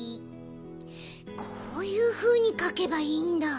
こういうふうにかけばいいんだ。